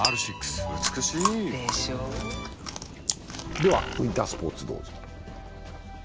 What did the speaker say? ではウインタースポーツどうぞ。